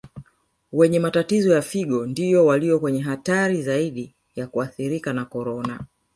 Wenye matatizo ya Figo ndiyo walio kwenye hatari zaidi ya kuathirika na Corona